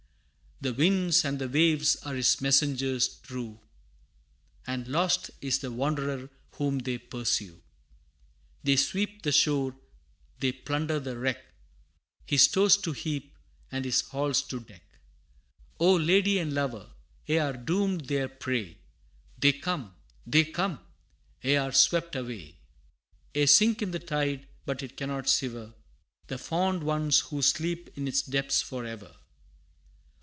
The winds and the waves are his messengers true. And lost is the wanderer whom they pursue. They sweep the shore, they plunder the wreck, His stores to heap, and his halls to deck. Oh! lady and lover, ye are doomed their prey They come! they come! ye are swept away! Ye sink in the tide, but it cannot sever The fond ones who sleep in its depths for ever!